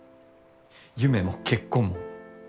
夢も結婚も。